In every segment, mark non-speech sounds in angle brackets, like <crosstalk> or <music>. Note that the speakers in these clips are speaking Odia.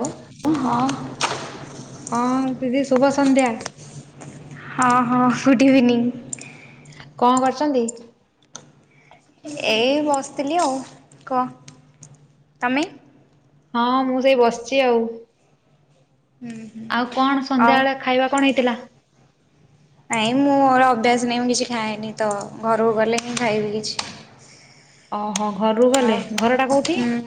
ହ୍ୟାଲୋ ଏ ହଁ ହଁ ଦିଦି ଶୁଭ ସନ୍ଧ୍ୟା। ହଁ ହଁ ଗୁଡ଼୍ ଇଭିନିଂ। କଣ କରୁଚନ୍ତି? ଏଇ ବସିଥିଲି ଆଉ କୁହ ତମେ? ହଁ ମୁଁ ସେଇ ବସିଚି ଆଉ ହୁଁ ଆଉ କଣ ଆଉ ସନ୍ଧ୍ୟାବେଳେ ଖାଇବା କଣ ହେଇଥିଲା? ନାଇଁ ମୁଁ ମୋର ଅଭ୍ୟାସ ନାହିଁ ମୁଁ କିଛି ଖାଏନି ତ ଘରକୁ ଗଲେ ହିଁ ଖାଇବି କିଛି। ଓହୋ ଘରରୁ ଆଉ ଗଲେ ଘରଟା କୋଉଠି? ହୁଁ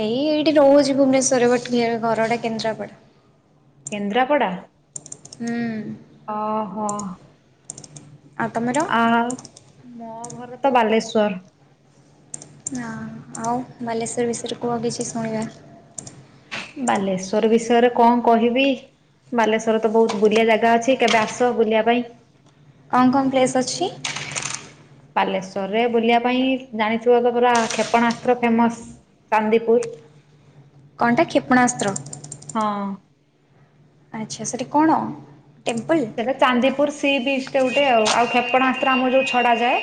ଏଇ ଏଇଠି ରହୁଛି ଭୁବନେଶ୍ଵରରେ ବଟ୍ ଇଏ ଘରଟା କେନ୍ଦ୍ରାପଡା। କେନ୍ଦ୍ରାପଡ଼ା। ହୁଁ। ଓହୋ। ଆଉ ତମର? ଆଉ ମୋ ଘର ତ ବାଲେଶ୍ଵର। ନା ଆଉ ବାଲେଶ୍ୱର ବିଷୟରେ କୁହ କିଛି ଶୁଣିବା। ବାଲେଶ୍ଵର ବିଷୟରେ କଣ କହିବି? ବାଲେଶ୍ୱର ତ ବହୁତ ବୁଲିଆ ଜାଗା ଅଛି କେବେ ଆସ ବୁଲିବା ପାଇଁ? କଣ କଣ ପ୍ଲେସ୍ ଅଛି? ବାଲେଶ୍ଵରରେ ବୁଲିବା ପାଇଁ ଜାଣିଥିବ ତ ପୁରା କ୍ଷେପଣାସ୍ତ୍ର ଫେମସ। ଚାନ୍ଦିପୁର। କଣଟା? କ୍ଷେପଣାସ୍ତ୍ର। ହଁ। ଆଚ୍ଛା ସେଠି କଣ ଟେମ୍ପଲ୍? ସେଇଟା ଚାନ୍ଦିପୁର ସି ବିଚ୍ ଟେ ଗୋଟେ ଆଉ ଆଉ କ୍ଷେପଣାସ୍ତ୍ର ଆମର ଯେଉଁ ଛଡ଼ାଯାଏ।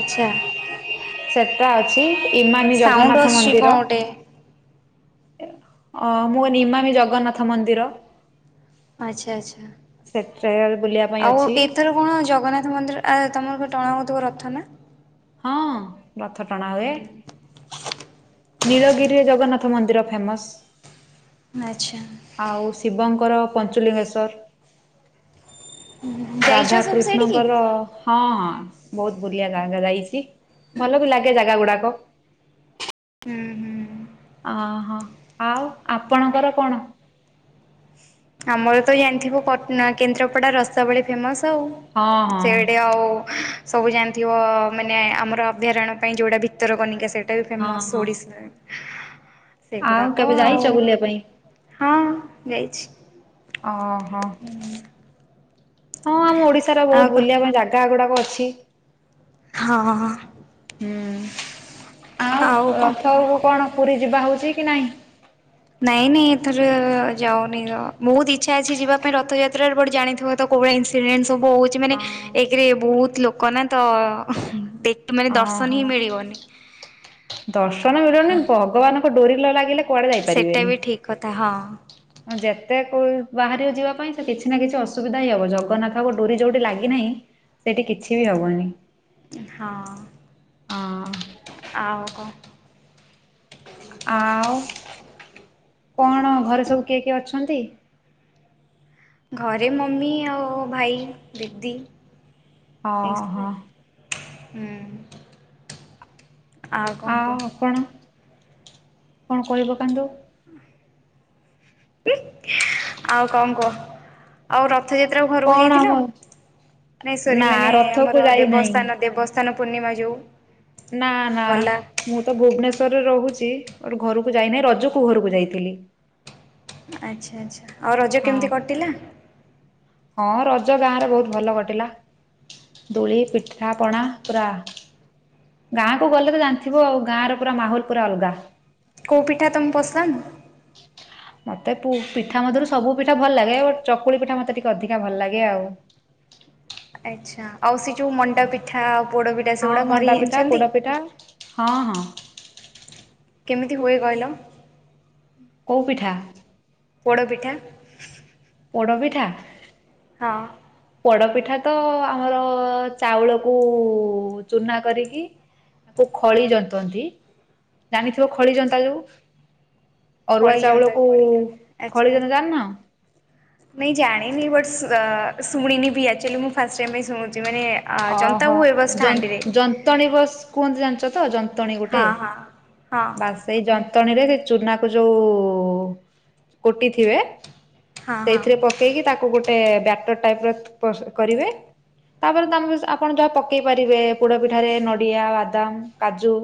ଆଚ୍ଛା। <unintelligible> ସେଟା ଅଛି ଇମାମୀ ସାଉଣ୍ଡ ଜଗନ୍ନାଥ ଆସୁଛି କଣ ମନ୍ଦିର। ଗୋଟେ? ଅ ମୁଁ କାଇଲି ଇମାମୀ ଜଗନ୍ନାଥ ମନ୍ଦିର। ଆଚ୍ଛା ଆଚ୍ଛା ସେଠା ବୁଲିବା ପାଇଁ ଆଉ ଅଛି ଏଇଥିରୁ କଣ ଜଗନ୍ନାଥ ମନ୍ଦିର? ଆ ତୁମର ଟଣା ହେଉଥିବ ରଥ ନା? ହଁ ରଥ ଟଣା ହୁଏ। ହୁଁ ନୀଳଗିରିରେ ଜଗନ୍ନାଥ ମନ୍ଦିର ଫେମସ। ଆଚ୍ଛା। ଆଉ ଶିବଙ୍କର ପଞ୍ଚୁଲିଙ୍ଗେଶ୍ୱର। ଯାଇଛ ରାଧା ସବୁ ସେଇଠିକି? କୃଷ୍ଣଙ୍କର ହଁ ହଁ ବହୁତ ବୁଲିଆ ଜାଗା ଯାଇଛି ଭଲ ବି ଲାଗେ ଜାଗା ଗୁଡାକ। ହୁଁ ହୁଁ। ଅହୋ। ଆଉ ଆଉ ଆପଣଙ୍କର କଣ? ଆମର ତ ଜାଣିଥିବ କେନ୍ଦ୍ରାପଡା ରସାବଳି ଫେମସ ଆଉ। ହଁ ହଁ ସେଡି ଆଉ ସବୁ ଜାଣିଥିବ ମାନେ ଆମର ଅଭୟାରଣ୍ୟ ପାଇଁ ଯେଉଁଟା ଭିତରକନିକା ସେଇଟା ବି ହଁ ଫେମସ୍ ହଁ ଓଡ଼ିଶା। ଆଉ ସେଗୁଡାକ କେବେ ଆଉ ଯାଇଛ ବୁଲିବା ପାଇଁ? ହଁ ଯାଇଛି। ଓହୋ। ହଁ ଆମ ଓଡିଶାର ଆଉ ବହୁତ କଣ ବୁଲିବା ପାଇଁ ଜାଗା ଗୁଡାକ ଅଛି। ହଁ ହଁ ହଁ। ହୁଁ ଆଉ କଣ ରଥ କୁହ? କଣ ପୁରୀ ଯିବା ହଉଛି କି ନାଇଁ? ନାଇଁ ନାଇଁ ଏଥର ଯାଉନି ତ ବହୁତ୍ ଇଚ୍ଛା ଅଛି ଯିବା ପାଇଁ ରଥଯାତ୍ରାରେ ବଟ୍ ଜାଣିଥିବ ତ କୋଉଭଲିଆ ଇନ୍ସିଡେଣ୍ଟ ବହୁତ୍ ମାନେ ହଁ ଏକରେ ବହୁତ୍ ଲୋକ ନା ତ ମାନେ ଦର୍ଶନ ଓହୋ ହିଁ ମିଳିବନି। ଦର୍ଶନ ମିଳିବନି ଭଗବାନଙ୍କ ଡୋରିନ ନ ଲାଗିଲେ କୁଆଡେ ସେଇଟା ବି ଠିକ୍ କଥା ହଁ। ହଁ ଯେତେ ବାହାରି ଯିବା ପାଇଁ ସେ କିଛି ନା କିଛି ଅସୁବିଧା ହିଁ ହବ ଜଗନ୍ନାଥଙ୍କ ଡୋରି ଯୋଉଠି ଲାଗିନାହିଁ ସେଇଠି କିଛି ବି ହବନି। ହଁ। ହଁ ଆଉ କଣ? ଆଉ କଣ ଘରେ ସବୁ କିଏ କିଏ ଅଛନ୍ତି? ଘରେ ମମି ଆଉ ଭାଇ, ଦିଦି ଏଇ ଓହୋ ସବୁ। ହୁଁ। <inaudible> ଆ କଣ କୁହ ଆପଣ କଣ କହି ପକାନ୍ତୁ? <unintelligible> ଆଉ କଁ କୁଅ? ଆଉ ରଥଯାତ୍ରା କୁ ଘରକୁ କଣ ଆମ ଯାଇଥିଲୁ ନାଇଁ ଶରୀ ନା ମାନେ ରଥକୁ ଆମର ଯାଇନାହିଁ ଦେବସ୍ତାନ ଦେବସ୍ ସ୍ନାନ ପୂର୍ଣ୍ଣିମା ଯୋଉ। ନାଁ ନାଁ। ଗଲା। ମୁଁ ତ ଭୁବନେଶ୍ୱରରେ ରହୁଚି ବଟ୍ ଘରକୁ ଯାଇନେଇ ରଜକୁ ଘରକୁ ଯାଇଥିଲି। ଆଚ୍ଛା ଆଚ୍ଛା ଆଉ ରଜ ହଁ କେମିତି କଟିଲା? ହଁ ରଜ ଗାଁ ରେ ବହୁତ୍ ଭଲ କଟିଲା। ଦୋଳି ପିଠାପଣା ପୁରା ଗାଁକୁ ଗଲେ ତ ଜାଣିଥିବ ଆଉ ଗାଁ ର ପୁରା ମାହୋଲ୍ ପୁରା ଅଲଗା। କୋଉ ପିଠା ତମକୁ ପସନ୍? ମତେ ପୁ ପିଠା ମଧ୍ୟ ରୁ ସବୁ ପିଠା ଭଲ ଲାଗେ ବଟ୍ ଚକୁଳି ପିଠା ମତେ ଟିକେ ଅଧିକା ଭଲ ଲାଗେ ଆଉ। ଆଚ୍ଛା ଆଉ ସେ ଯୋଉ ମଣ୍ଡା ହଁ ପିଠା ଆଉ ପୋଡ ପିଠା ସେଗୁଡା କରି ଜାଣିଚନ୍ତି? କା ହଁ ହଁ। କେମିତି ହୁଏ କହିଲ? କୋଉ ପିଠା? ପୋଡ଼ପିଠା। ପୋଡ଼ପିଠା। ହଁ। ପୋଡପିଠା ତ ଆମର ଚାଉଳକୁ ଚୁନା କରିକି ତାକୁ ଖଳି ଜନ୍ତନ୍ତି। ଜାଣିଥିବ ଆଚ୍ଛା ଖଳିଜନ୍ତା ଯୋଉ ଅରୁଆ ଖଳି ଜନ୍ତା ଚାଉଳକୁ ଭିତରେ ଆଚ୍ଛା ଖଳିଜନ୍ତା ଜାଣିନ? ନାଇଁ ଜାଣିନି ବଟ୍ ସ ଶୁଣିନି ବି ଆକ୍ଚୁଆଲି ମୁଁ ଫାଷ୍ଟ ଟାଇମ୍ ପାଇଁ ଶୁଣୁଚି ମାନେ ଜନ୍ତା ଓହୋ ହୁଏ ବସ୍ ହାଣ୍ଡିରେ ଯନ୍ତ ଯନ୍ତଣୀ ବସ୍ କୁହନ୍ତି ଜାଣିଚ ତ ଯନ୍ତଣୀ ଗୋଟେ? ହଁ ହଁ ହଁ ବାସ୍ ସେଇ ଯନ୍ତଣୀରେ ସେ ଚୁନା କୁ ଯୋଉ କୁଟିଥିବେ ହଁ ହଁ ସେଇଥିରେ ପକେଇକି ତାକୁ ଗୋଟେ ବ୍ୟାଟର ଟାଇପ୍ ର ପ୍ରସ୍ତୁତ କରିବେ। ତାପରେ ତ ଆମ୍ ଆପଣ ଯାହା ପକେଇ ପାରିବେ ପୋଡ ପିଠାରେ ନଡିଆ ବାଦାମ କାଜୁ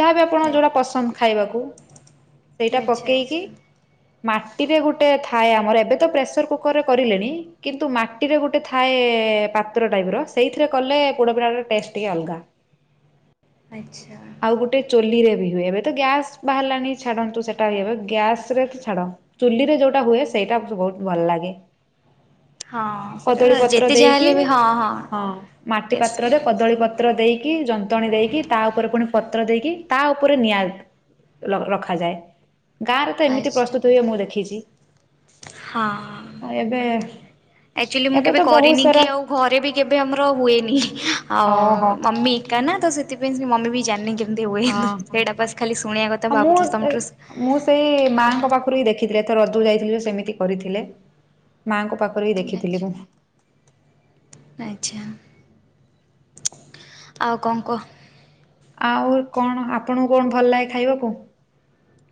ଯାହାବି ଆପଣଙ୍କ ଯୋଉଟା ପସନ୍ଦ ଖାଇବାକୁ ସେଇଟା ଆଚ୍ଛା ପକେଇକି ଆଚ୍ଛା ମାଟିରେ ଗୋଟେ ଥାଏ ଆମର ଏବେ ତ ପ୍ରେସର୍ କୁକର ରେ କରିଲେଣି କିନ୍ତୁ ମାଟ୍ ମାଟିରେ ଗୋଟେ ଥାଏ ପାତ୍ର ଟାଇପ୍ ର ସେଇଥିରେ କଲେ ପୋଡ ପିଠା ଟା ଟେଷ୍ଟ ଟିକେ ଅଲଗା। ଆଚ୍ଛା। ଆଉ ଗୋଟେ ଚୁଲି ରେ ବି ହୁଏ ଏବେ ତ ଗ୍ୟାସ୍ ବାହାରିଲାଣି ଛାଡନ୍ତୁ ସେଟା ହୁଏ ଗ୍ୟାସ୍ ରେ ଛାଡ ଚୁଲିରେ ଯୋଉଟା ହୁଏ ସେଇଟା ମତେ ବହୁତ୍ ଭଲ ଲାଗେ। ହଁ କଦଳୀ ସେଟା ପତ୍ର ଯେତେ ଯାହା ଦେଇକି ହେଲେ ବି ହଁ ମାଟି ଟେଷ୍ଟି ପାତ୍ରରେ ଲାଗେ କଦଳୀ ପତ୍ ପତ୍ର ଦେଇକି ଯନ୍ତଣୀ ଦେଇକି ତା ଉପରେ ପୁଣି ପତ୍ର ଦେଇକି ତା ଉପରେ ନିଆ ଲ ରଖାଯାଏ। ଗାଁରେ ତ ଏମିତି ଆଚ୍ଛା ପ୍ରସ୍ତୁତ ହୁଏ ମୁଁ ଦେଖିଚି। ହଁ। ଆଉ ଏବେ ଆକ୍ଚୁଆଲି ମୁଁ ଏବେ କେବେ ତ ବହୁ କରିନି କି ସାରା ଆଉ ଘରେ ବି କେବେ ଆମର ହୁଏନି ଆଉ ଓହୋ ମମି ଏକା ନା ତ ସେତ୍ ସେଥିପାଇଁ ସେ ମମି ବି ଜାଣିନି କେ କେମିତି ହୁଏ ହଁ ହଁ ସେଇଟା ବାସ୍ ଖାଲି ଶୁଣିଆ କଥା ହଁ ମୁଁ ଭାବୁଥିଲି ତମଠାରୁ ସି ମୁଁ ସେଇ ମାଆଙ୍କ ପାଖରୁ ହିଁ ଦେଖିଥିଲେ ଏଥର ରଜକୁ ଯାଇଥିଲି ଯେ ସେମିତି କରିଥିଲେ ମାଆଙ୍କ ପାଖରୁ ହି ଦେଖିଥିଲି ଆଚ୍ଛା ମୁଁ। ଆଚ୍ଛା। ଆଉ କଁ କୁଅ? ଆଉ କଣ ଆପଣଙ୍କୁ କଣ ଭଲ ଲାଗେ ଖାଇବାକୁ?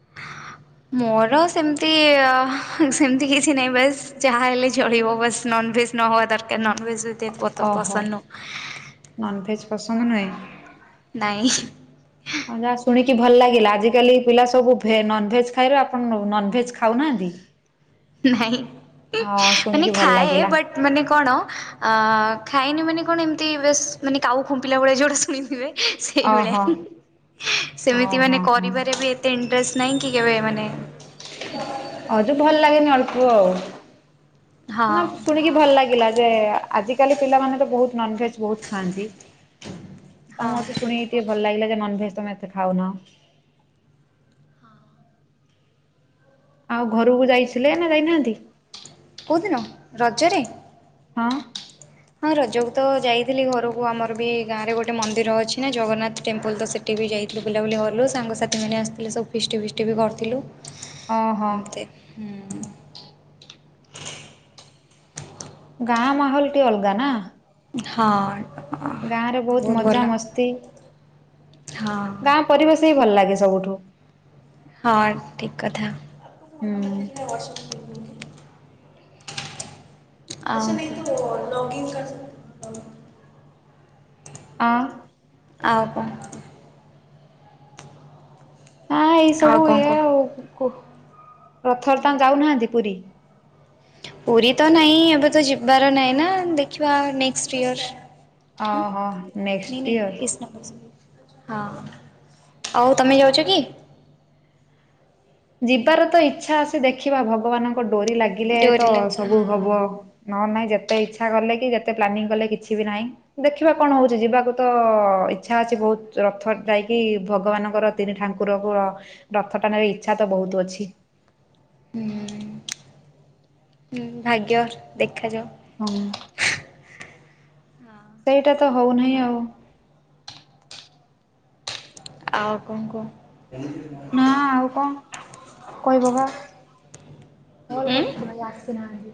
<inaudible> ମୋର ସେମିତି ସେମିତି କିଛି ନାହିଁ ବାସ୍ ଯାହା ହେଲେ ଚାଲିବ ବାସ୍ ନନଭେଜ୍ ନ ହେବା ଦରକାର ନନଭେଜ୍ ଏତେ ପସନ୍ଦ ନୁହ। ନନଭେଜ୍ ପସଙ୍ଗ ନୁହେଁ? ନାହିଁ। ହ <inaudible> ହଁ ଯାହା ଶୁଣିକି ଭଲ ଲାଗିଲା ଆଜିକାଲି ପିଲା ସବୁ ଭେଜ୍ ନନଭେଜ୍ ଖାଇଲେ ଆପଣ ନନଭେଜ୍ ଖାଉନାହାନ୍ତି? ନାଇଁ ହଁ ମାନେ ଶୁଣିକି ଭଲ ଖାଏ ଲାଗିଲା ବାଟ୍ ମାନେ କଣ ଆଁ ଖାଇନି ମାନେ କଣ ଏମିତି ବେଶ୍ ମାନେ କାଉ ଫୁମ୍ପିଲା ଭଳିଆ ଯେଉଁଟା ଶୁଣି ଥିବେ। ଓହୋ। ସେଇଭଳିଆ ହଁ ସେମିତି ହଁ ମାନେ ହଁ କରିବାରେ ବି ଏତେ ଇଣ୍ଟରେଷ୍ଟ ନାହିଁ କି କେବେ ମାନେ ଆଉ ତ ଭଲ ଲାଗେନି ଅଳ୍ପ ଆଉ ହଁ। ନା ଶୁଣିକି ଭଲ ଲାଗିଲା ଯେ ଆଜିକାଲି ପିଲାମାନେ ତ ବହୁତ୍ ନନଭେଜ୍ ବହୁତ ଖାଆନ୍ତି। ହଁ ତମଠୁ ଶୁଣି ଟିକେ ଭଲ ଲାଗିଲା ଯେ ନନଭେଜ୍ ତମେ ଏତେ ଖାଉନ। ଆଉ ଘରକୁ ଯାଇ ସିଲେଇ ନା ଯାଇନାହାନ୍ତି? କଉଦିନ ରଜରେ? ହଁ। ହଁ ରଜକୁ ତ ଯାଇଥିଲି ଘରକୁ ଆମର ବି ଗାଁ ରେ ଗୋଟେ ମନ୍ଦିର ଅଛି ନା ଜଗନ୍ନାଥ ଟେମ୍ପଲ ତ ସେ ଏବେ ଯାଇଥିଲୁ ବୁଲାବୁଲି କଲୁ ସାଙ୍ଗସାଥି ମାନେ ଆସିଥିଲେ ସବୁ ଫିଷ୍ଟି ଫିଷ୍ଟି ବି କରିଥିଲୁ। ହଁ ହଁ। ଏମିତି ହୁଁ। ଗାଁ ମାହଲଟି ଅଲଗା ନା? ହଁ। ଗାଁରେ ବହୁତ ମଜା ମସ୍ତି ହଁ ଗାଁ ପରିବେଶ ହିଁ ଭଲ ଲାଗେ ସବୁଠୁ। ହଁ ଠିକ୍ କଥା। ହୁଁ ଆ ନା ଲଗିଇନ କର <inaudible> ଅ <inaudible> ଆଉ ପା ହଁ ଏଇ ଆଉ ସବୁ କଣ ଇଏ କହ? ଆଉ ରଥରେ ତାଙ୍କ ଯାଉନାହାନ୍ତି ପୁରୀ? ପୁରୀ ତ ନାହିଁ ଏବେ ତ ଯିବାର ନାହିଁ ନା ଦେଖିବା ନେକ୍ସଟ୍ ଇୟର୍। ହଁ ଓହୋ ନିଁ ନେକ୍ସଟ ନି ଇୟର। ହଁ ଆଉ ତମେ ଯାଉଛ କି? ଯିବାର ତ ଇଚ୍ଛା ଆସି ଦେଖିବା ଭଗବାନଙ୍କ ଡୋରି ଲାଗିଲେ ତ ଡୋରି ଲାଗିଲା ସବୁ ହଁ ହବ। ନଲେ ନାହିଁ ଯେତେ ଇଚ୍ଛା କଲେ କି ଯେତେ ପ୍ଲାନିଂ କଲେ କିଛି ବି ନାହିଁ। ଦେଖିବା କଣ ହଉଛି ଯିବାକୁ ତ ଇଚ୍ଛା ଅଛି ବହୁତ ରଥ ଯାଇକି ଭଗବାନଙ୍କର ତିନି ଠାକୁରଙ୍କ ରଥ ଟାଣିବାରେ ଇଚ୍ଛା ତ ବହୁତ ଅଛି। ହୁଁ ହୁଁ ଭାଗ୍ୟ ଦେଖାଯାଉ। ହୁଁ। ସେଇଟା ତ ହଉନାହିଁ ଆଉ। ଆଉ କଣ କୁହ? ନା ଆଉ କଣ କହିବ ବା? କଲ୍ ଉଁ କରିଥିଲି ଭାଇ ଆସିନାହାନ୍ତି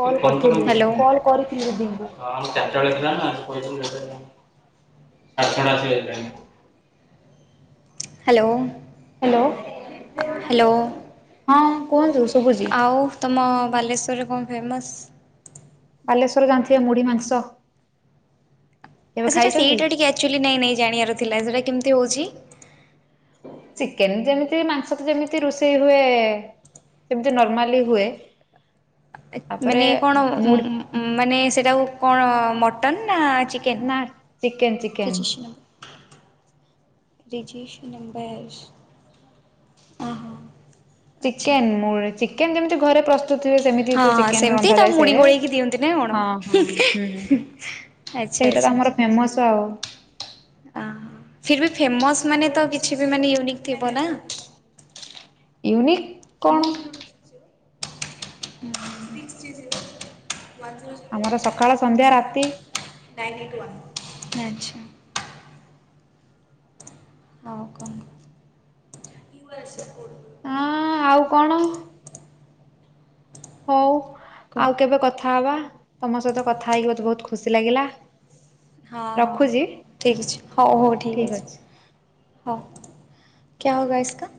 କଲ କରିଥିଲୁ ହ୍ୟାଲୋ କଲ୍ କରିଥିଲି ଦିଦିଙ୍କୁ ହଁ ଚାରିଟା ପାଠଡ଼ାସ <unintelligible> ହାଲୋ। ହାଲୋ ହଁ କୁହନ୍ତୁ ଶୁଭୁଚି। ଆଉ ତୁମ ବାଲେଶ୍ୱରରେ କଣ ଫେମସ୍ ବାଲେଶ୍ୱର ଜାଣିଥିବେ ମୁଢୀ ମାଂସ। କେବେ ଆ ସେଟା ଖାଇଛନ୍ତି ସେଇଟା ଟିକେ ଆକ୍ଚୁଆଲି ନାଇଁ ନାଇଁ ଜାଣିବାରଥିଲା ସେଇଟା କେମିତି ହେଉଚି? ଚିକେନ ଯେମିତି ମାଂସ ତ ଯେମିତି ରୋଷେଇ ହୁଏ। ଯେମିତି ନର୍ମାଲି ହୁଏ। ତାପରେ ମାନେ କଣ ମୁଢ଼ି ମାନେ ସେଟାକୁ କଣ ମଟନ୍ ନା ଚିକ୍ ନା chicken chicken chicken <unintelligible> register number ହଁ ହଁ। ଚିକେନ୍ ମୁ ଚିକେନ୍ ଯେମିତି ଘରେ ପ୍ରସ୍ତୁତ ହୁଏ ସେମିତି ହଁ ତ ଚିକେନ ସେମିତି ରନ୍ଧାଯାଏ ତାକୁ ସେ ମୁଡି ଗୋଳେଇକି ଦିଅନ୍ତି ନା କଣ? ହଁ ଆଚ୍ଛା। ଏଇଟା ତ ଆମର ଫେମସ ଆଉ। ଆ ଫିର ବି ଫେମସ୍ ମାନେ ତ କିଛି ବି ମାନେ ୟୁନିକ ଥିବ ନା? ୟୁନିକ୍ କଣ no zero two six G ଆମର ସକାଳ ସନ୍ଧ୍ୟା ରାତି <unintelligible> ଆଚ୍ଛା <unintelligible> ହଁଉ କଷ <unintelligible> ଆଁ ଆଉ କଣ? ହଉ। କୁହ ଆଉ କେବେ କଥା ହବା ତମ ସହିତ କଥା ହେଇକି ମୋତେ ବହୁତ ଖୁସି ଲାଗିଲା। ହଁ ହଁ ରଖୁଛି ଠିକ୍ ଅଛି ହଉ ହଉ ଠିକ୍ ଅଛି। ହଁ କ୍ୟା ହୋଗା ଇସ୍କା?